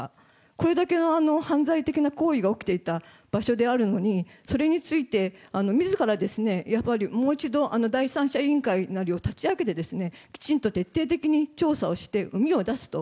これだけの犯罪的な行為が起きていた場所であるというのに、それについてみずから、やっぱりもう一度、第三者委員会なりを立ち上げて、きちんと徹底的に調査をしてうみを出すと。